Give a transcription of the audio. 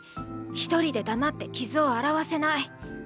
一人で黙って傷を洗わせない。